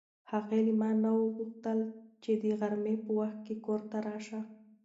هغې له ما نه وغوښتل چې د غرمې په وخت کې کور ته راشه.